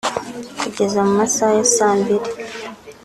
Kugeza mu masaha ya saa mbili